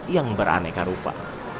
yang beraneka rupa